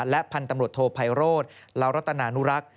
และพันธุ์ตำรวจโทไพโรธลาวรัตนานุรักษ์